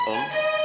gak tahu mama